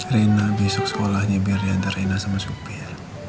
rina besok sekolahnya biar diantar rina sama supi ya